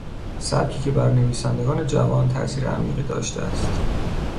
سبکی که بر نویسندگان جوان تاثیر عمیقی داشته است